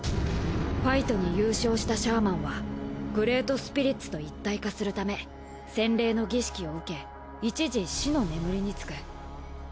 ファイトに優勝したシャーマンはグレートスピリッツと一体化するため洗礼の儀式を受け一時死の眠りにつく。